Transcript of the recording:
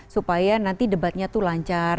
supaya nanti debatnya tuh lancar